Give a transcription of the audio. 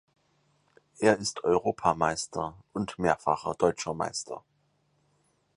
Er ist Europameister und mehrfacher Deutscher Meister.